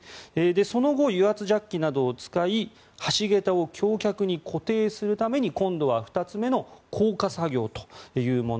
その後、油圧ジャッキなどを使い橋桁を橋脚に固定するために今度は２つ目の降下作業というもの